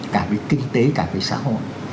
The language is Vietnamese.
cả về kinh tế cả về xã hội